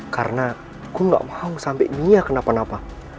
karena gue gak mau sampe mia kenapa napa